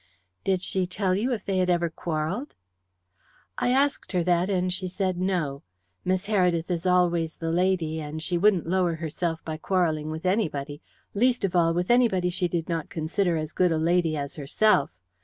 "Did she tell you if they had ever quarrelled?" "I asked her that, and she said no. Miss Heredith is always the lady, and she wouldn't lower herself by quarrelling with anybody, least of all with anybody she did not consider as good a lady as herself.